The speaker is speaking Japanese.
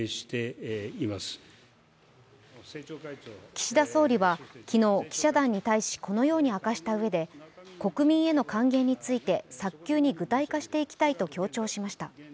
岸田総理は昨日、記者団に対しこのように明かしたうえで国民への還元について早急に具体化していきたいと強調しました。